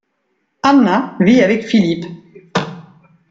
Anna vit avec Philippe.